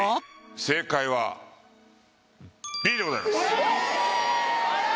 正解はＢでございますあら！